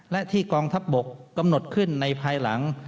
และที่กองทัพบกกำหนดขึ้นในภายหลัง